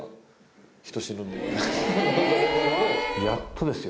やっとですよ